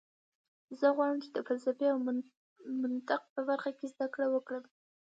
زه غواړم چې د فلسفې او منطق په برخه کې زده کړه وکړم